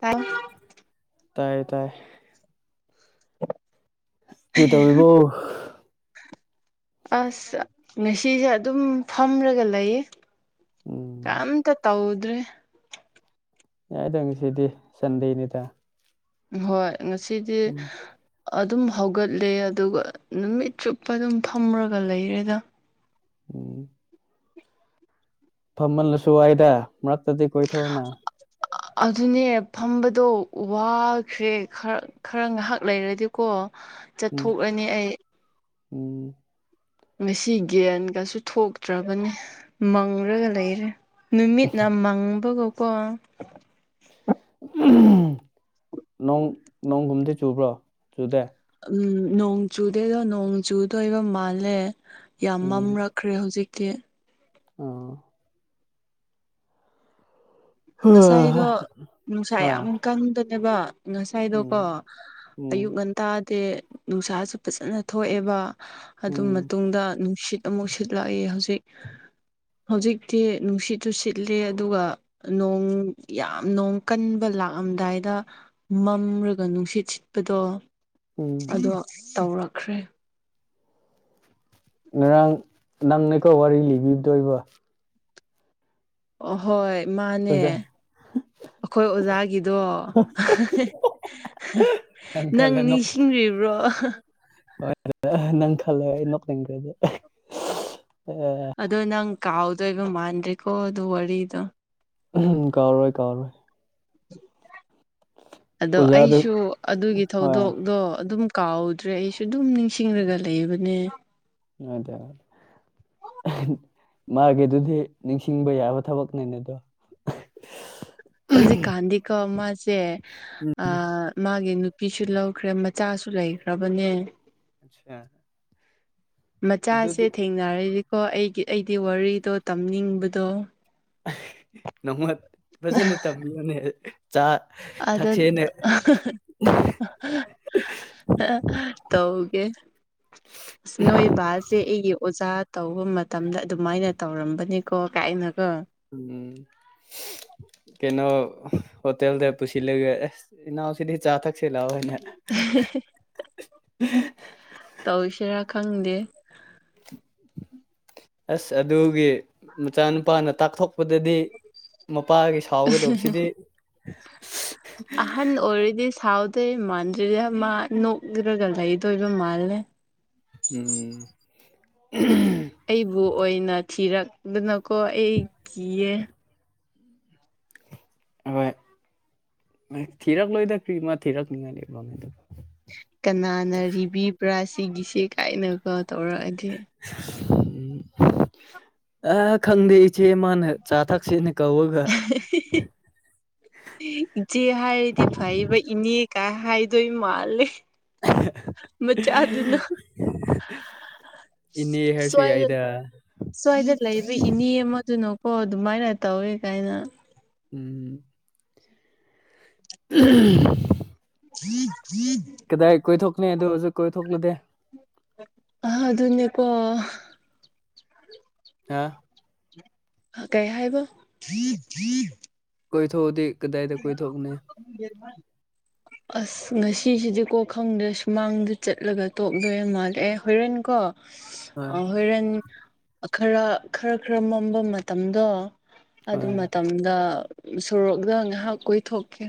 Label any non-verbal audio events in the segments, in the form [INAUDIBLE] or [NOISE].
ꯇꯥꯏ ꯇꯥꯏꯌꯦ ꯇꯥꯏ ꯍ ꯀꯔꯤ ꯇꯧꯔꯤꯕꯣ ꯑꯁ ꯉꯁꯤꯁꯦ ꯑꯗꯨꯝ ꯐꯝꯔꯒ ꯂꯩꯌꯦ ꯎꯝ ꯀꯝꯇ ꯇꯧꯗ꯭ꯔꯦ ꯌꯥꯏꯗꯪ ꯁꯤꯗꯤ ꯁꯟꯗꯦꯅꯤꯗ ꯍꯣꯏ ꯉꯁꯤꯗꯤ ꯎꯝ ꯑꯗꯨꯝ ꯍꯧꯒꯠꯂꯦ ꯑꯗꯨꯒ ꯅꯨꯃꯤꯠ ꯆꯨꯞꯄ ꯑꯗꯨꯝ ꯐꯝꯔꯒ ꯂꯩꯔꯦꯗ ꯎꯝ ꯐꯝꯃꯜꯂꯁꯨ ꯋꯥꯏꯗ ꯃꯔꯛꯇꯗꯤ ꯀꯣꯏꯊꯣꯛꯎꯅ ꯑꯗꯨꯅꯦ ꯐꯝꯕꯗꯣ ꯋꯥꯈ꯭ꯔꯦ ꯈꯔ ꯈꯔ ꯉꯥꯏꯍꯥꯛ ꯂꯩꯔꯗꯤꯀꯣ ꯎꯝ ꯆꯠꯊꯣꯛꯂꯅꯤ ꯑꯩ ꯎꯝ ꯉꯁꯤ ꯒꯟꯒꯁꯨ ꯊꯣꯛꯇ꯭ꯔꯕꯅꯤ ꯃꯪꯪꯂꯒ ꯂꯩꯔꯦ ꯅꯨꯃꯤꯠꯅ ꯃꯪꯕꯒꯀꯣ ꯅꯣꯡ ꯅꯣꯡꯒꯨꯝꯗꯤ ꯆꯨꯕ꯭ꯔꯣ ꯆꯨꯗꯦ ꯎꯝ ꯅꯣꯡ ꯆꯨꯗꯦꯗꯣ ꯅꯣꯡ ꯆꯨꯗꯣꯏꯕ ꯃꯥꯜꯂꯦ ꯌꯥꯝ ꯃꯝꯂꯛꯈ꯭ꯔꯦ ꯍꯧꯖꯤꯛ ꯀꯦ ꯑ ꯉꯁꯥꯏꯗꯣ ꯅꯨꯡꯁꯥ ꯍꯣꯏ ꯌꯥꯝ ꯀꯪꯗꯅꯦꯕ ꯉꯁꯥꯏꯗꯣꯀꯣ ꯎꯝ ꯎꯝ ꯑꯌꯨꯛ ꯉꯟ ꯇꯥꯗꯦ ꯅꯨꯡꯁꯥꯁꯨ ꯐꯖꯥꯅ ꯊꯣꯛꯑꯦꯕ ꯑꯗꯨ ꯎꯝ ꯃꯇꯨꯡꯗ ꯅꯨꯡꯁꯤꯠ ꯑꯃꯨꯛ ꯁꯤꯠꯂꯛꯏ ꯍꯧꯖꯤꯛ ꯍꯧꯖꯤꯛꯇꯤ ꯅꯨꯡꯁꯤꯠꯇꯨ ꯁꯤꯠꯂꯤ ꯑꯗꯨꯒ ꯅꯣꯡ ꯌꯥꯝ ꯅꯣꯡ ꯀꯟꯕ ꯂꯥꯛꯑꯝꯗꯥꯏꯗ ꯃꯝꯔꯒ ꯅꯨꯡꯁꯤꯠ ꯁꯤꯠꯄꯗꯣ ꯎꯝ ꯑꯗꯣ ꯇꯧꯔꯛꯈ꯭ꯔꯦ ꯉꯔꯥꯡ ꯅꯪꯅ ꯀꯣ ꯋꯥꯔꯤ ꯂꯤꯕꯤꯗꯣꯏꯕ ꯑꯍꯣꯏ ꯃꯥꯅꯦ ꯑꯣꯖꯥ ꯑꯩꯈꯣꯏ ꯑꯣꯖꯥꯒꯤꯗꯣ ꯅꯪ ꯈꯜꯂꯦ ꯅꯣꯛ ꯅꯤꯡꯁꯤꯡꯔꯤꯕ꯭ꯔꯣ [UNINTELLIGIBLE] ꯅꯪ ꯈꯜꯂꯦ ꯑꯩ ꯅꯣꯛꯅꯤꯡꯈ꯭ꯔꯦꯗ ꯑꯦ ꯑꯗꯣ ꯅꯪ ꯀꯥꯎꯗꯣꯏꯕ ꯃꯥꯟꯗ꯭ꯔꯦꯀꯣ ꯑꯗꯨ ꯋꯥꯔꯤꯗꯣ ꯎꯍꯝ ꯀꯥꯎꯔꯣꯏ ꯀꯥꯎꯔꯣꯏ ꯑꯗꯣ ꯑꯣꯖꯥꯗꯨ ꯑꯩꯁꯨ ꯑꯗꯨꯒꯤ ꯍꯣꯏ ꯊꯧꯗꯣꯛꯗꯣ ꯑꯗꯨꯝ ꯀꯥꯎꯗ꯭ꯔꯦ ꯑꯩꯁꯨ ꯑꯗꯨꯝ ꯅꯤꯡꯁꯤꯡꯂꯒ ꯂꯩꯕꯅꯦ ꯑꯗꯥ ꯃꯥꯒꯤꯗꯨꯗꯤ ꯅꯤꯡꯁꯤꯡꯕ ꯌꯥꯕ ꯊꯕꯛꯅꯦꯅꯦ ꯑꯗꯣ ꯍꯧꯖꯤꯛꯀꯥꯟꯗꯤꯀꯣ ꯃꯥꯁꯦ ꯑ ꯃꯥꯒꯤ ꯅꯨꯞ ꯐꯤꯁꯨ ꯂꯧꯈ꯭ꯔꯦ ꯃꯆꯥꯁꯨ ꯂꯩꯈ꯭ꯔꯕꯅꯦ ꯑꯆꯥ [UNINTELLIGIBLE] ꯃꯆꯥꯁꯦ ꯊꯦꯡꯅꯔꯤꯀꯣ ꯑꯩꯒꯤ ꯑꯩꯒꯤ ꯋꯥꯔꯤꯗꯣ ꯇꯝꯅꯤꯡꯕꯗꯣ ꯅꯣꯡꯃ ꯐꯖꯅ ꯇꯝꯕꯤꯌꯨꯅꯦ ꯆꯥ ꯑꯗꯣ ꯊꯛꯁꯦꯅ ꯇꯧꯒꯦ ꯁꯦ ꯅꯣꯏꯕꯁꯦ ꯑꯩꯒꯤ ꯑꯣꯖꯥ ꯇꯧꯕ ꯃꯇꯝꯗ ꯑꯗꯨꯃꯥꯏꯅ ꯇꯧꯔꯝꯕꯅꯤꯀꯣ ꯀꯥꯏꯅꯒꯣ ꯎꯝ ꯀꯩꯅꯣ ꯍꯣꯇꯦꯜꯗ ꯄꯨꯁꯤꯜꯂꯒ ꯑꯁ ꯏꯅꯥꯎꯁꯤꯗꯤ ꯆꯥ ꯊꯛ ꯊꯛꯁꯦ ꯂꯥꯛꯑꯣꯅ ꯇꯧꯁꯤꯔꯥ ꯈꯪꯗꯦ ꯑꯁ ꯑꯗꯨꯒꯤ ꯃꯆꯥꯅꯨꯄꯥꯅ ꯇꯥꯛꯊꯣꯛ ꯑꯗꯗꯤ ꯃꯄꯥꯒꯤ ꯁꯥꯎꯒꯗꯕꯁꯤꯗꯤ ꯑꯍꯟ ꯑꯣꯏꯔꯗꯤ ꯁꯥꯎꯗꯣꯏ ꯃꯥꯟꯗ꯭ꯔꯤꯗ ꯃꯥ ꯅꯣꯛ꯭ꯔꯒ ꯂꯩꯗꯣꯏꯕ ꯃꯥꯜꯂꯦ ꯎꯝ ꯑꯩꯕꯨ ꯑꯣꯏꯅ ꯊꯤꯔꯛꯗꯅꯀꯣ ꯑꯩ ꯀꯤꯌꯦ ꯍꯣꯏ ꯊꯤꯔꯛꯂꯣꯏꯗ ꯀ꯭ꯔꯤꯃ ꯊꯤꯔꯛꯅꯤꯡꯉꯥꯏꯂꯩꯕꯣ ꯀꯅꯥꯅ ꯔꯤꯕꯤꯕ꯭ꯔꯥ ꯁꯤꯒꯤꯁꯦ ꯀꯥꯏꯅꯒ ꯇꯧꯔꯛꯑꯗꯤ ꯑ ꯈꯪꯗꯦ ꯏꯆꯦ ꯃꯥꯅꯦ ꯆꯥ ꯊꯛꯁꯦꯅ ꯀꯧꯔꯒ ꯏꯆꯦ ꯍꯥꯏꯔꯗꯤ ꯐꯩꯕ ꯏꯅꯦ ꯀꯥꯏ ꯍꯥꯏꯗꯣꯏ ꯃꯥꯜꯂꯦ ꯃꯆꯥꯥꯗꯨꯅ ꯏꯅꯦ ꯍꯥꯏꯔꯁꯨ ꯌꯥꯏꯗ ꯁ꯭ꯋꯥꯏꯗ ꯂꯩꯕ ꯏꯅꯦ ꯑꯃꯥꯗꯨꯅꯀꯣ ꯑꯗꯨꯃꯥꯏꯅ ꯇꯧꯋꯦ ꯀꯥꯏꯅ ꯎꯝ ꯎꯝ [UNINTELLIGIBLE] ꯆ [UNINTELLIGIBLE] ꯀꯗꯥꯏ ꯀꯣꯏꯊꯣꯛꯅꯤ ꯑꯗꯨ ꯍꯧꯖꯤꯛ ꯀꯣꯏꯊꯣꯛꯅꯗꯦ ꯑ ꯑꯗꯨꯅꯤ ꯄꯣ ꯀ ꯀꯩ ꯍꯥꯏꯕ ꯀꯣꯏ ꯊꯣꯛꯎꯗꯤ ꯀꯗꯥꯏꯗ ꯀꯣꯏ ꯊꯣꯛꯎꯅꯦ ꯌꯦꯔꯃ ꯑꯁ ꯉꯁꯤꯁꯤꯗꯤꯀꯣ ꯈꯪꯗ ꯁꯨꯃꯥꯡꯗ ꯆꯠꯂꯒ ꯇꯣꯛꯂꯣꯏꯔ ꯃꯥꯜꯂꯦ ꯑꯦ ꯍꯣꯔꯦꯟ ꯀꯣ ꯍꯣꯏ ꯍꯣꯏꯣꯔꯦꯟ ꯈꯔ ꯈꯔ ꯈꯔ ꯃꯝꯕ ꯃꯇꯝꯗꯣ ꯑꯗꯨ ꯍꯣꯏ ꯃꯇꯝꯗ ꯁꯣꯔꯣꯛꯗ ꯉꯥꯏꯍꯥꯛ ꯀꯨꯏꯊꯣꯛꯀꯦ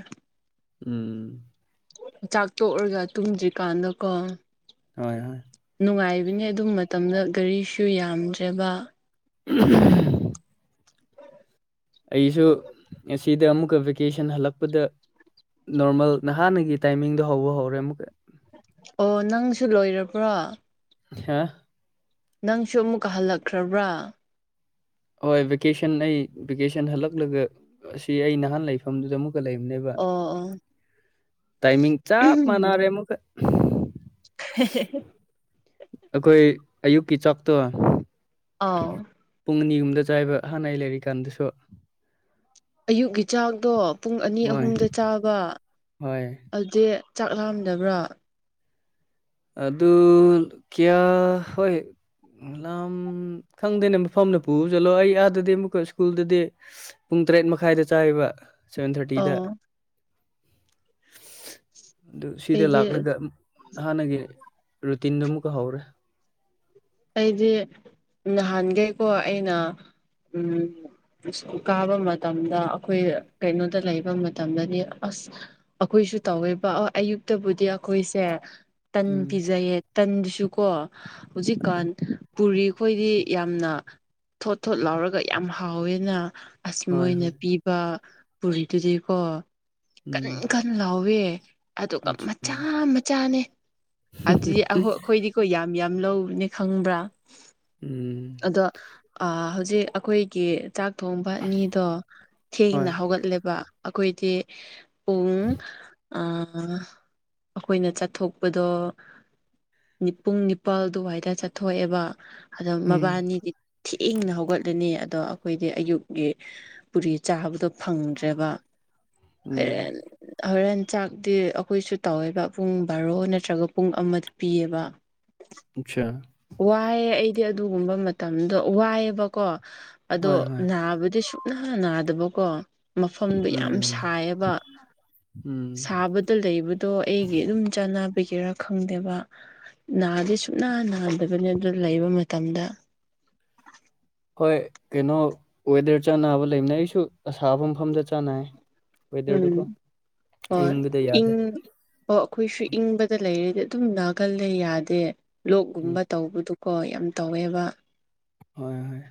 ꯎꯝ ꯆꯥꯛ ꯇꯣꯛꯔꯒ ꯇꯨꯝꯗ꯭ꯔꯤꯀꯥꯟꯗꯀꯣ ꯍꯣꯏ ꯍꯣꯏ ꯅꯨꯡꯉꯥꯏꯕꯅꯦ ꯑꯗꯨ ꯃꯇꯝꯗ ꯒꯥꯔꯤꯁꯨ ꯌꯥꯝꯗ꯭ꯔꯕ ꯎꯝ ꯑꯩꯁꯨ ꯉꯁꯤꯗ ꯑꯃꯨꯛꯀ ꯚꯦꯀꯦꯁꯟ ꯍꯜꯂꯛꯄꯗ ꯅꯣꯔꯃꯦꯜ ꯅꯍꯥꯟꯅꯒꯤ ꯇꯥꯏꯃꯤꯡꯗꯣ ꯍꯧꯕ ꯍꯧꯔꯦ ꯑꯃꯨꯛꯀ ꯑꯣ ꯅꯪꯁꯨ ꯂꯣꯏꯔꯕ꯭ꯔꯣ ꯍ ꯅꯪꯁꯨ ꯑꯃꯨꯛꯀ ꯍꯜꯂꯛꯈ꯭ꯔꯕ꯭ꯔꯥ ꯍꯣꯏ ꯚꯦꯀꯦꯁꯟ ꯑꯩ ꯚꯦꯀꯦꯁꯟ ꯍꯜꯂꯛꯂꯒ ꯑꯁꯤ ꯑꯩ ꯅꯍꯥꯟ ꯂꯩꯐꯝꯗꯨꯗ ꯑꯃꯨꯛ ꯂꯩꯕꯅꯦꯕ ꯑꯣ ꯑꯣ ꯇꯥꯏꯃꯤꯡ ꯆꯞ ꯃꯥꯟꯅꯔꯦ ꯑꯃꯨꯛꯀ [UNINTELLIGIBLE] ꯑꯩꯈꯣꯏ ꯑꯌꯨꯛꯀꯤ ꯆꯥꯛꯇꯣ ꯑꯥꯎ ꯄꯨꯡ ꯑꯅꯤꯒꯨꯝꯗ ꯆꯥꯏꯕ ꯍꯥꯟꯅ ꯂꯩꯔꯤꯀꯥꯟꯗꯁꯨ ꯑꯌꯨꯛꯀꯤ ꯆꯥꯛꯗꯣ ꯄꯨꯡ ꯑꯅꯤ ꯍꯣꯏ ꯑꯍꯨꯝꯗ ꯆꯥꯕ ꯍꯣꯏ ꯑꯗꯨꯗꯤ ꯆꯥꯛ ꯂꯥꯛꯝꯗꯕ꯭ꯔꯣ ꯑꯗꯨ ꯀꯌꯥ ꯍꯣꯏ ꯎ ꯂ ꯈꯪꯗꯦꯅꯦ ꯃꯐꯝꯅ ꯄꯨ ꯆꯠꯂꯣ ꯑꯩ ꯑꯥꯗꯗꯤ ꯑꯃꯨꯛꯀ ꯏꯁ꯭ꯀꯨꯜꯗꯗꯤ ꯄꯨꯡ ꯇꯔꯦꯠ ꯃꯈꯥꯏꯗ ꯆꯥꯕ ꯁꯚꯦꯟ ꯊꯥꯔꯇꯤꯗ ꯑꯣ ꯑꯗꯨ ꯁꯤꯗ ꯑꯩꯗꯤ ꯂꯥꯛꯂꯒ ꯍꯥꯟꯅꯒꯤ ꯔꯨꯇꯤꯟꯗꯃꯨ ꯀ ꯍꯧꯔꯦ ꯑꯩꯗꯤ ꯅꯍꯥꯟꯈꯩꯀꯣ ꯑꯩꯅ ꯎꯝ ꯏꯁ꯭ꯀꯨꯜꯀꯥꯕ ꯃꯇꯝꯗ ꯑꯩꯈꯣꯏ ꯀꯩꯅꯣꯗ ꯂꯩꯕ ꯃꯇꯝꯗꯗꯤ ꯑꯁ ꯑꯩꯈꯣꯏꯁꯨ ꯇꯧꯋꯦꯕ ꯑꯣ ꯑꯌꯨꯛꯇꯕꯨꯗꯤ ꯑꯩꯈꯣꯏꯁꯦ ꯇꯟ ꯎꯝ ꯄꯤꯖꯩꯌꯦ ꯇꯟꯗꯨꯁꯨꯀꯣ ꯍꯧꯖꯤꯛꯀꯥꯟ ꯄꯨꯔꯤ ꯑꯩꯈꯣꯏꯗꯤ ꯌꯥꯝꯅ ꯊꯣꯠ ꯊꯣꯠ ꯂꯥꯎꯔꯒ ꯌꯥꯝ ꯍꯥꯎꯋꯦꯅ ꯑꯁ ꯍꯣꯏ ꯃꫭꯏꯅ ꯍꯣꯏ ꯄꯤꯕ ꯄꯨꯔꯤꯗꯨꯗꯤꯀꯣ ꯀꯟ ꯎꯝ ꯀꯟ ꯂꯥꯎꯋꯦ ꯑꯗꯨꯒ ꯑꯆꯥ ꯃꯆꯥ ꯎꯝ ꯃꯆꯥꯅꯦ ꯑꯗꯨꯗꯤ ꯑꯩꯈꯣꯏꯗꯤꯀꯣ ꯌꯥꯝ ꯌꯥꯝ ꯂꯧꯕꯅꯤ ꯈꯪꯕ꯭ꯔꯥ ꯎꯝ ꯑꯗꯣ ꯑ ꯍꯧꯖꯤꯛ ꯑꯩꯈꯣꯏꯒꯤ ꯆꯥꯛ ꯊꯣꯡꯕ ꯑꯅꯤꯗꯣ ꯍꯣꯏ ꯊꯦꯡꯅ ꯍꯧꯒꯠꯂꯦꯕ ꯑꯩꯈꯣꯏꯗꯤ ꯄꯨꯡ ꯑꯩꯈꯣꯏꯅ ꯆꯠꯊꯣꯛꯄꯗꯣ ꯄꯨꯡ ꯅꯤꯄꯥꯜ ꯑꯗꯨꯋꯥꯏꯗ ꯆꯠꯊꯣꯛꯑꯦꯕ ꯑꯗꯣ ꯎꯝ ꯃꯕꯥꯅꯤꯗꯤ ꯊꯦꯡꯅ ꯍꯧꯒꯠꯂꯅꯤ ꯑꯗꯣ ꯑꯩꯈꯣꯏꯗꯤ ꯑꯌꯨꯛꯀꯤ ꯄꯨꯔꯤ ꯆꯥꯕꯗꯣ ꯐꯪꯗ꯭ꯔꯦꯕ ꯎꯝ ꯍꯣꯔꯦꯟ ꯍꯣꯔꯦꯟ ꯆꯥꯛꯇꯤ ꯑꯩꯈꯣꯏꯁꯨ ꯇꯧꯋꯦꯕ ꯄꯨꯡ ꯕꯥꯔꯣ ꯅꯠꯇ꯭ꯔꯒ ꯄꯨꯡ ꯑꯃꯗ ꯄꯤꯌꯦꯕ ꯑꯆꯥ ꯋꯥꯏꯑꯦ ꯑꯩꯗꯤ ꯑꯗꯨꯒꯨꯝꯕ ꯃꯇꯝꯗꯣ ꯋꯥꯏꯑꯦꯕꯀꯣ ꯑꯗꯣ ꯍꯣꯏ ꯍꯣꯏ ꯅꯥꯕꯗꯤ ꯁ ꯅꯥ ꯅꯥꯗꯕꯀꯣ ꯃꯐꯝꯗꯣ ꯌꯥꯝ ꯎꯝ ꯁꯥꯏꯌꯦꯕ ꯎꯝ ꯁꯥꯕ ꯇ ꯂꯩꯕꯗꯣ ꯑꯩꯒꯤ ꯑꯗꯨꯝ ꯆꯥꯟꯕꯤꯒꯦꯔꯥ ꯈꯪꯗꯦꯕ ꯅꯥꯗꯤ ꯁꯨꯅꯥ ꯅꯥꯗꯦ ꯑꯗꯨꯅꯤ ꯑꯗꯨ ꯂꯩꯕ ꯃꯇꯝꯗ ꯍꯣꯏ ꯀꯩꯅꯣ ꯋꯦꯗꯔ ꯆꯥꯟꯅꯕ ꯂꯩꯅ ꯑꯩꯁꯨ ꯑꯁꯥꯕ ꯃꯐꯝꯗ ꯆꯥꯅꯩ ꯎꯝ ꯍꯣꯏ ꯑꯌꯤꯡꯕꯗ ꯏꯪ ꯌꯥꯗꯦ ꯑꯣ ꯑꯩꯈꯣꯏꯁꯨ ꯏꯪꯕꯗ ꯂꯩꯔꯗꯤ ꯑꯗꯨꯝ ꯅꯥꯒꯜꯂꯦ ꯌꯥꯗꯦ ꯎꯝ ꯂꯣꯛꯒꯨꯝꯕ ꯇꯧꯕꯗꯨꯀꯣ ꯌꯥꯝ ꯇꯧꯋꯦꯕ ꯍꯣꯏ ꯍꯣꯏ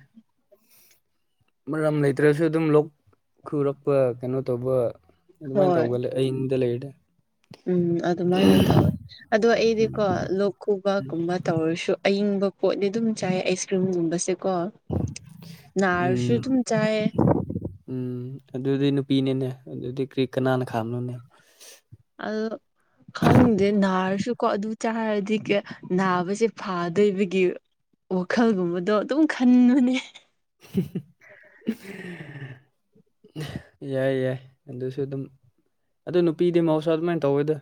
ꯃꯔꯝ ꯂꯩꯇ꯭ꯔꯁꯨ ꯑꯗꯨꯝ ꯂꯣꯛ ꯈꯨꯔꯛꯄ ꯀꯩꯅꯣ ꯇꯧꯕ ꯑꯗꯨꯃꯥꯏꯅ ꯍꯣꯏ ꯇꯧꯒꯜꯂꯦ ꯑꯩ ꯌꯨꯝꯗ ꯂꯩꯔꯗꯤ ꯎꯝ ꯑꯗꯨꯃꯥꯏꯅ ꯇꯧꯋꯦ ꯑꯗꯣ ꯑꯩꯗꯤꯀꯣ ꯂꯣꯛ ꯈꯨꯕꯥ ꯀꯨꯝꯕ ꯇꯧꯔꯁꯨ ꯑꯏꯪꯕ ꯄꯣꯠꯅꯤ ꯑꯗꯨꯝ ꯆꯥꯏ ꯑꯥꯏꯁ ꯀ꯭ꯔꯤꯝ ꯒꯨꯝꯕꯁꯦꯀꯣ ꯅꯔꯁꯨ ꯎꯝ ꯑꯗꯨꯝ ꯆꯥꯥꯏ ꯎꯝ ꯑꯗꯨꯗꯤ ꯅꯨꯄꯤꯅꯤꯅꯦ ꯑꯗꯨꯗꯤ ꯀꯔꯤ ꯀꯅꯥꯅ ꯈꯥꯝꯅꯨꯅꯦ ꯑꯗꯨ ꯈꯪꯗꯦ ꯅꯥꯔꯁꯨꯀꯣ ꯑꯗꯨ ꯆꯥꯔꯗꯤ ꯀꯩ ꯅꯥꯕꯁꯦ ꯐꯥꯗꯣꯏꯕꯒꯤ ꯋꯥꯈꯜꯒꯨꯝꯕꯗꯣ ꯑꯗꯨꯝ ꯈꯟꯕꯅꯦ [UNINTELLIGIBLE] ꯌꯥꯏ ꯌꯥꯏ ꯑꯗꯨꯁꯨ ꯑꯗꯨꯝ ꯑꯗꯣ ꯅꯨꯄꯤꯗꯤ ꯃꯍꯧꯁꯥ ꯑꯗꯨꯃꯥꯏꯅ ꯇꯧꯋꯦꯗ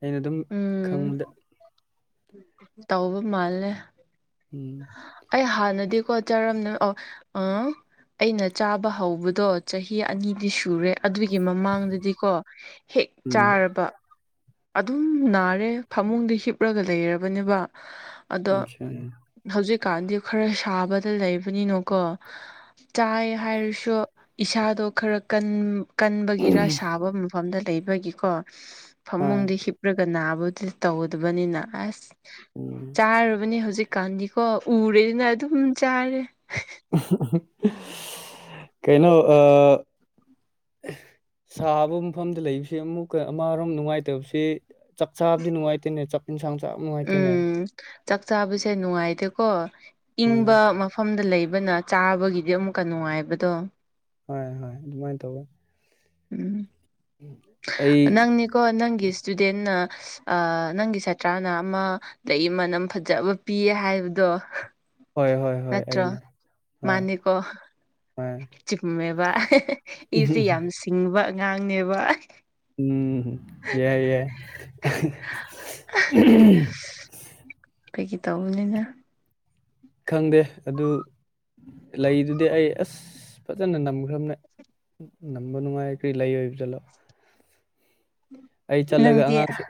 ꯑꯩꯅ ꯑꯗꯨꯝ ꯎꯝ ꯈꯪꯕꯗ ꯇꯧꯕ ꯃꯥꯜꯂꯦ ꯎꯝ ꯑꯩ ꯍꯥꯟꯅꯗꯤꯀꯣ ꯆꯥꯔꯝꯅꯦ ꯑ-ꯑ ꯑꯩꯅ ꯆꯥꯕ ꯍꯧꯕꯗꯣ ꯆꯍꯤ ꯑꯅꯤꯗꯤ ꯁꯨꯔꯦ ꯑꯗꯨꯒꯤ ꯃꯃꯥꯡꯗꯗꯤꯀꯣ ꯍꯦꯛ ꯎꯝ ꯆꯥꯔꯕ ꯑꯗꯨꯝ ꯅꯥꯔꯦ ꯐꯃꯨꯡꯗ ꯍꯤꯞꯂꯒ ꯂꯩꯔꯕꯅꯦꯕ ꯑꯗꯣ ꯑꯆꯥ ꯍꯧꯖꯤꯛꯀꯥꯟꯗꯤ ꯈꯔ ꯁꯥꯕꯗ ꯂꯩꯕꯅꯤꯅꯀꯣ ꯆꯥꯏ ꯍꯥꯏꯔꯁꯨ ꯏꯁꯥꯗꯣ ꯈꯔ ꯀꯟ ꯀꯟꯕꯒꯤꯔ ꯁꯥꯕ ꯃꯐꯝꯗ ꯂꯩꯕꯒꯤꯀꯣ ꯍꯣꯏ ꯐꯃꯨꯡꯗꯍꯤꯞ ꯆ꯭ꯔꯒ ꯅꯥꯕꯨꯗꯤ ꯇꯧꯒꯗꯕꯅꯤꯅ ꯑꯁ ꯎꯝ ꯆꯥꯔꯨꯕꯅꯦ ꯍꯧꯖꯤꯛꯀꯥꯟꯗꯤꯀꯣ ꯎꯔꯦꯗꯅ ꯑꯗꯨꯝ ꯆꯥꯔꯦ ꯀꯩꯅꯣ ꯑꯥ ꯁꯥꯕ ꯃꯐꯝꯗ ꯂꯩꯕꯁꯤ ꯑꯃꯨꯛꯀ ꯑꯃꯔꯣꯝ ꯅꯨꯡꯉꯥꯏꯇꯕꯁꯤ ꯆꯥꯛ ꯆꯥꯕꯗꯤ ꯅꯨꯡꯉꯥꯏꯇꯦꯅꯦ ꯆꯥꯛ ꯏꯟꯁꯥꯡ ꯆꯥ ꯅꯨꯡꯉꯥꯏꯇꯦꯅꯦ ꯎꯝ ꯆꯥꯛ ꯆꯥꯕꯁꯦ ꯅꯨꯡꯉꯥꯏꯇꯦꯀꯣ ꯍꯣꯏ ꯏꯪꯕ ꯃꯐꯝꯗ ꯂꯩꯕꯅ ꯆꯥꯕꯒꯤꯗꯤ ꯑꯃꯨꯛꯀ ꯅꯨꯡꯉꯥꯏꯕꯗꯣ ꯍꯣꯏ ꯍꯣꯏ ꯑꯗꯨꯃꯥꯏꯅ ꯇꯧꯋꯦ ꯎꯝ ꯑꯩ ꯅꯪꯅꯤꯀꯣ ꯅꯪꯒꯤ ꯏꯁꯇꯨꯗꯦꯟꯅ ꯅꯪꯒꯤ ꯁꯥꯇ꯭ꯔꯅ ꯑꯃ ꯂꯩꯩ ꯃꯅꯝ ꯐꯖꯕ ꯄꯤꯌꯦ ꯍꯥꯏꯕꯗꯣ ꯍꯣꯏ ꯍꯣꯏ ꯍꯣꯏ ꯅꯠꯇ꯭ꯔꯣ ꯑꯩꯅꯦ ꯍꯣꯏ ꯃꯥꯅꯤꯀꯣ ꯍꯣꯏ ꯆꯨꯝꯃꯦꯕ ꯏꯁꯦ ꯌꯥꯝ ꯁꯤꯡꯕ ꯑꯉꯥꯡꯅꯦꯕ ꯎꯝ ꯌꯥꯏ ꯌꯥꯏ ꯐꯒꯤ ꯇꯧꯕꯅꯤꯗ ꯈꯪꯗꯦ ꯑꯗꯨ ꯂꯩꯗꯨꯗꯤ ꯑꯩ ꯑꯁ ꯐꯖꯅ ꯅꯝꯈ꯭ꯔꯕꯅꯦ ꯅꯝꯕ ꯅꯨꯡꯉꯥꯏ ꯀ꯭ꯔꯤ ꯂꯩ ꯑꯣꯏꯕꯗꯠꯂꯣ ꯑꯩ ꯆꯠꯂꯒ ꯅꯪꯗꯤ ꯑꯉꯥꯡꯁꯤꯡ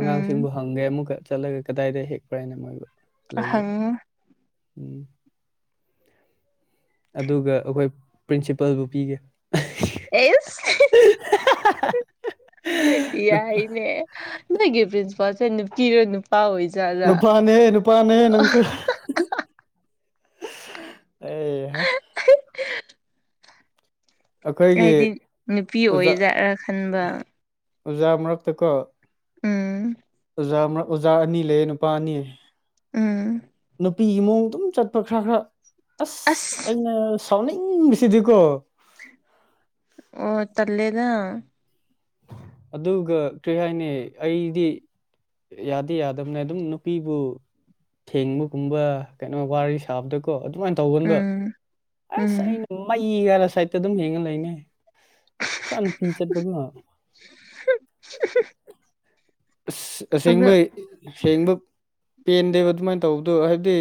ꯎꯝ ꯐꯪꯒꯦ ꯑꯃꯨꯛꯀ ꯆꯠꯂꯒ ꯀꯗꯥꯏꯗ ꯍꯦꯛꯄ꯭ꯔꯥ ꯍꯥꯏꯅ ꯃꯣꯏꯕꯨ ꯂꯩꯗꯨ ꯑꯍꯪ ꯎꯝ ꯑꯗꯨꯒ ꯑꯩꯈꯣꯏ ꯄ꯭ꯔꯤꯟꯁꯤꯄꯜꯕꯨ ꯄꯤꯒꯦ ꯑꯦꯁ ꯋꯏꯅꯦ ꯅꯣꯏꯒꯤ ꯄ꯭ꯔꯤꯟꯁꯤꯄꯥꯜꯁꯦ ꯅꯨꯄꯤꯔꯣ ꯅꯨꯄꯥꯑꯣꯖꯔ ꯅꯨꯄꯥꯅꯦ ꯅꯨꯄꯥꯅꯦ ꯅꯪꯁꯨ ꯑꯩꯍꯥ ꯑꯩꯈꯣꯏꯒꯤ ꯍꯥꯏꯗꯤ ꯅꯨꯄꯤ ꯑꯣꯖꯥ ꯑꯣꯏꯖꯠꯔꯥ ꯈꯟꯕ ꯑꯣꯖꯥ ꯃꯔꯛꯇꯀ ꯎꯝ ꯑꯣꯖꯥ ꯑꯣꯖꯥ ꯑꯅꯤ ꯂꯩ ꯅꯨꯄꯥ ꯑꯅꯤ ꯂꯩ ꯎꯝ ꯅꯨꯄꯤꯒꯤ ꯃꯑꯣꯡ ꯑꯗꯨꯝ ꯆꯠꯄ ꯈꯔ ꯈꯔ ꯑꯁ ꯑꯁ ꯑꯩ ꯁꯥꯎꯅꯤꯡ ꯁꯤꯗꯤꯀꯣ ꯑꯣ ꯇꯔꯂꯦꯗꯥ ꯑꯗꯨꯒ ꯀꯔꯤ ꯍꯥꯏꯅꯤ ꯑꯩꯗꯤ ꯌꯥꯗꯤ ꯌꯥꯗꯕꯅꯦ ꯑꯗꯨꯝ ꯅꯨꯄꯤꯕꯨ ꯊꯦꯡꯕꯒꯨꯝꯕ ꯀꯩꯅꯣ ꯋꯥꯔꯤ ꯁꯥꯕꯗꯀꯣ ꯑꯗꯨꯃꯥꯏꯅ ꯇꯧꯒꯟꯕ ꯎꯝ ꯑꯁ ꯎꯝ ꯑꯩꯅꯣ ꯃꯩ ꯀꯔꯥ ꯁꯥꯏꯠꯇ ꯑꯗꯨꯝ ꯌꯦꯉꯥ ꯂꯩꯅꯦ ꯈꯔ ꯄꯤ ꯆꯠꯄꯒ ꯑꯁ ꯑꯗꯣ ꯑꯁꯦꯡꯕ ꯑꯁꯦꯡꯕ ꯄꯦꯟꯗꯦꯕ ꯑꯗꯨꯃꯥꯏꯅ ꯇꯧꯕꯗꯣ ꯍꯥꯏꯕꯗꯤ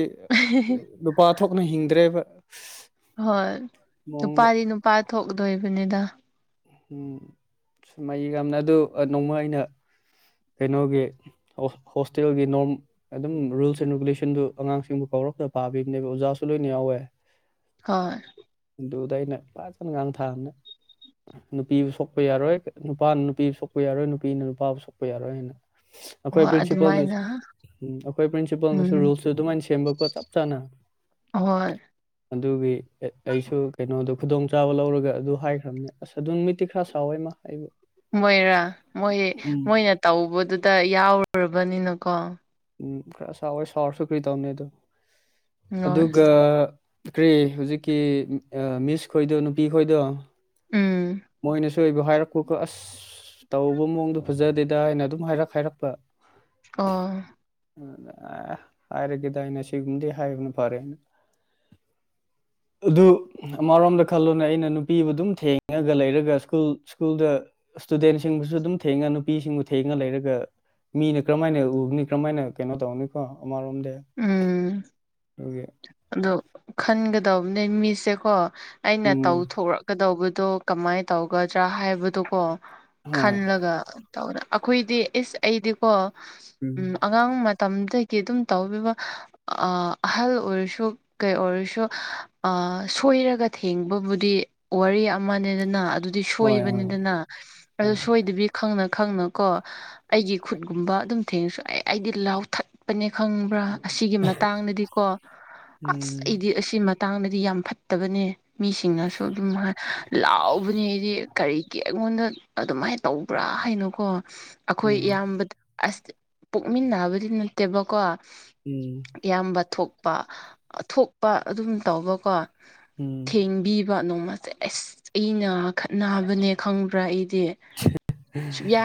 ꯂ ꯅꯨꯄꯥ ꯊꯣꯛꯅ ꯍꯤꯡꯗ꯭ꯔꯦꯕ ꯍꯣꯏ ꯃꯑꯣꯡꯗ ꯅꯨꯄꯥꯗꯤ ꯅꯨꯄꯥ ꯊꯣꯛꯗꯣꯏꯕꯅꯤꯗ ꯎꯝ ꯁꯨꯝꯃꯩ ꯌꯥꯝꯅ ꯑꯗꯨ ꯅꯣꯡꯃ ꯑꯩꯅ ꯀꯩꯅꯣꯒꯤ ꯍꯣꯁꯇꯦꯜꯒꯤ ꯅꯣꯔ ꯑꯗꯨꯝ ꯔꯨꯜꯁ ꯑꯦꯟ ꯔꯤꯒꯨꯂꯦꯁꯟꯗꯨ ꯑꯉꯥꯡꯁꯤꯡꯕꯨ ꯀꯧꯔꯛꯇꯕ ꯄꯥꯕꯤꯕꯅꯦꯕ ꯑꯣꯖꯥꯁꯨ ꯂꯣꯏꯅ ꯌꯥꯎꯋꯦ ꯍꯣꯏ ꯗꯗꯨꯗꯥꯥꯏꯅ ꯄꯖꯅꯒꯥꯡ ꯊꯅ ꯅꯨꯄꯤꯕꯨ ꯁꯣꯛꯄ ꯌꯥꯔꯣꯏ ꯅꯨꯄꯥꯅ ꯅꯨꯄꯤꯕꯨ ꯁꯣꯛꯄ ꯌꯥꯔꯣꯏ ꯅꯨꯄꯤꯅ ꯅꯨꯄꯥꯕꯨ ꯁꯣꯛꯄ ꯌꯥꯔꯣꯏ ꯍꯥꯏꯅ ꯑꯩꯈꯣꯏ ꯍꯣꯏ ꯄ꯭ꯔꯤꯟꯁꯤꯄꯥꯜꯅꯁꯨ ꯑꯗꯨꯃꯥꯏꯅ ꯎꯝ ꯑꯩꯈꯣꯏ ꯄ꯭ꯔꯤꯟꯁꯤꯄꯥꯜꯅꯁꯨ ꯎꯝ ꯔꯨꯜꯁꯁꯨ ꯑꯗꯨꯃꯥꯏꯅ ꯁꯦꯝꯕꯀꯣ ꯆꯞ ꯆꯥꯅ ꯑꯍꯣꯏ ꯑꯗꯨꯒꯤ ꯑꯩꯁꯨ ꯀꯩꯅꯣꯗꯣ ꯈꯨꯗꯣꯡꯆꯥꯥꯕ ꯂꯧꯔꯒ ꯑꯗꯨ ꯍꯥꯏꯈ꯭ꯔꯕꯅꯦ ꯑꯁ ꯑꯗꯨꯅꯨꯡꯃꯤꯇꯤ ꯈꯔ ꯁꯥꯎꯋꯦ ꯃꯥ ꯑꯩꯕꯨ ꯃꯣꯏꯔꯥ ꯃꯣꯏ ꯎꯝ ꯃꯣꯏꯅ ꯇꯧꯕꯗꯨꯗ ꯌꯥꯎꯔꯨꯔꯕꯅꯤꯅꯀꯣ ꯎꯝ ꯈꯔ ꯁꯥꯎꯋꯦ ꯁꯥꯎꯔꯁꯨ ꯀꯔꯤ ꯇꯧꯅꯤ ꯑꯗꯨ ꯍꯣꯏ ꯑꯗꯨꯒ ꯀ꯭ꯔꯤ ꯍꯧꯖꯤꯛꯀꯤ ꯃꯤꯁ ꯈꯣꯏꯗꯣ ꯅꯨꯄꯤ ꯈꯣꯏꯗꯣ ꯎꯝ ꯃꯣꯏꯅꯁꯨ ꯑꯣꯏꯕ ꯍꯥꯏꯔꯛꯄꯣꯀꯣ ꯑꯁ ꯑꯁ ꯇꯧꯕ ꯃꯑꯣꯡꯗꯣ ꯐꯖꯗꯦꯗ ꯑꯩꯅ ꯑꯗꯨꯝ ꯍꯥꯏꯔꯛ ꯍꯥꯏꯔꯛꯄ ꯑꯣ ꯍꯥꯏꯔꯒꯦꯗ ꯑꯩꯅ ꯁꯤꯒꯨꯝꯗꯤ ꯍꯥꯏꯕꯅ ꯐꯔꯦ ꯑꯩꯅ ꯑꯗꯨ ꯑꯃꯔꯣꯝꯗ ꯈꯜꯂꯨꯅꯦ ꯑꯩꯅ ꯅꯨꯄꯤꯕꯨ ꯑꯗꯨꯝ ꯊꯦꯡꯉꯤ ꯉꯥꯒ ꯂꯩꯔꯒ ꯁ꯭ꯀꯨꯜ ꯁ꯭ꯀꯨꯜꯗ ꯏꯁꯇꯨꯗꯦꯟꯁꯤꯡꯕꯨꯁꯨ ꯑꯗꯨꯝ ꯊꯦꯡꯉꯥ ꯅꯨꯄꯤꯁꯤꯡꯕꯨ ꯊꯦꯡꯉꯥ ꯂꯩꯔꯒ ꯃꯤꯅ ꯀꯔꯝꯍꯥꯏꯅ ꯎꯕꯅꯤ ꯀꯔꯝꯍꯥꯏꯅ ꯀꯩꯅꯣ ꯇꯧꯅꯤꯀꯣ ꯑꯃꯔꯣꯝꯗꯤ ꯎꯝ ꯑꯗꯨꯒꯤ ꯑꯗꯣ ꯈꯟꯒꯗꯕꯅꯦ ꯃꯤꯁꯦꯀꯣ ꯑꯩꯅ ꯎꯝ ꯇꯧꯊꯣꯔꯛ ꯀꯗꯧꯕꯗꯣ ꯀꯃꯥꯏꯅ ꯇꯧꯒꯗ꯭ꯔꯥ ꯍꯥꯏꯕꯗꯨꯀꯣ ꯍꯣꯏ ꯈꯜꯂꯒ ꯇꯧꯒꯗ ꯑꯩꯈꯣꯏꯗꯤ ꯏꯁ ꯑꯩꯗꯤꯀꯣ ꯎꯝ ꯑꯉꯥꯡ ꯃꯇꯝꯗꯒꯤ ꯑꯗꯨꯝ ꯇꯧꯕꯤꯕ ꯑꯍꯜ ꯑꯣꯏꯔꯁꯨ ꯀꯩ ꯑꯣꯏꯔꯁꯨ ꯑ ꯁꯣꯏꯔꯒ ꯊꯦꯡꯕꯕꯨꯗꯤ ꯋꯥꯔꯤ ꯑꯃꯅꯦꯗꯅ ꯑꯗꯨꯗꯤ ꯍꯣꯏ ꯍꯣꯏ ꯁꯣꯏꯕꯅꯤꯗꯅ ꯑꯗꯨ ꯍꯣꯏ ꯁꯣꯏꯗꯕꯤ ꯈꯪꯅ ꯈꯪꯅꯀꯣ ꯑꯩꯒꯤ ꯈꯨꯠꯒꯨꯝꯕ ꯑꯗꯨꯝ ꯊꯦꯡꯉꯁꯨ ꯑꯩ ꯑꯩꯗꯤ ꯂꯥꯎꯊꯠ ꯄꯅꯦ ꯈꯪꯕ꯭ꯔꯥ ꯑꯁꯤꯒꯤ ꯃꯇꯥꯡꯗꯗꯤ ꯀꯣ ꯑꯥꯠꯁ ꯎꯝ ꯑꯩꯗꯤ ꯑꯁꯤ ꯃꯇꯥꯡꯗꯗꯤ ꯌꯥꯝ ꯐꯠꯇꯕꯅꯦ ꯃꯤꯁꯤꯡꯅꯁꯨ ꯑꯗꯨꯝ ꯂꯥꯎꯕꯅꯦ ꯑꯩꯗꯤ ꯀꯔꯤꯒꯤ ꯑꯩꯉꯣꯟꯗ ꯑꯗꯨꯃꯥꯏꯅ ꯇꯧꯕ꯭ꯔꯥ ꯍꯥꯏꯅꯀꯣ ꯑꯩꯈꯣꯏ ꯎꯝ ꯏꯌꯥꯝꯕꯗ ꯑꯁ ꯄꯣꯛꯃꯤꯟꯅꯕꯗꯤ ꯅꯠꯇꯦꯕꯀꯣ ꯎꯝ ꯏꯌꯥꯝꯕ ꯊꯣꯛꯄ ꯊꯣꯛꯄ ꯑꯗꯨꯝ ꯇꯧꯕꯀꯣ ꯎꯝ ꯊꯦꯡꯕꯤꯕ ꯅꯣꯡꯃꯁꯦ ꯑꯁ ꯑꯩꯅ ꯈꯠꯅꯕꯅꯦ ꯈꯪꯕ꯭ꯔꯥ ꯑꯩꯗꯤ ꯁꯨꯛꯌꯥ [UNINTELLIGIBLE]